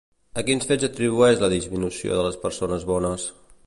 A quins fets atribueix la disminució de les persones bones?